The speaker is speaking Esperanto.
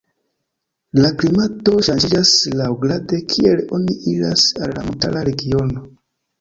La klimato ŝanĝiĝas laŭgrade kiel oni iras al la montara regiono.